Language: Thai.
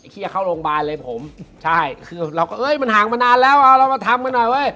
เขียนเข้าโรงพยาบาลเลยผมเราก็มันห่างมานานแล้วเอาเรามาทำกันหน่อย